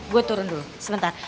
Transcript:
gue turun dulu sebentar